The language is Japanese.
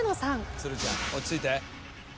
つるちゃん落ち着いて。